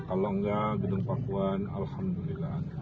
kalau enggak gedung pakuan alhamdulillah